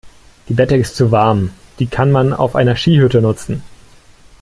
Die Bettdecke ist zu warm. Die kann man auf einer Skihütte nutzen.